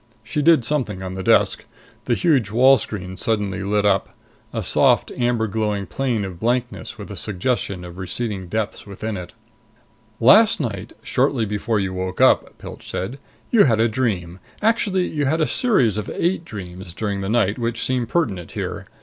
She did something on the desk. The huge wall screen suddenly lit up. A soft, amber glowing plane of blankness, with a suggestion of receding depths within it. "Last night, shortly before you woke up," Pilch said, "you had a dream. Actually you had a series of eight dreams during the night which seem pertinent here.